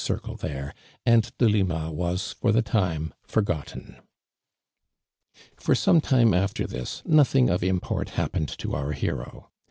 circle there, and Deliipawas lor the timo forgotten For 8omo time after this nothing of import occurred to our hero.